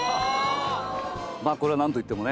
まあこれはなんといってもね。